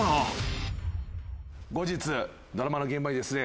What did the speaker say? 後日ドラマの現場にですね